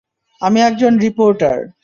আমি একজন রিপোর্টার।